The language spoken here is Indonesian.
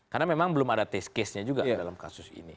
karena memang belum ada test case nya juga dalam kasus ini